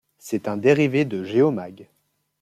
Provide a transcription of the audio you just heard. C'est un dérivé de Geomag.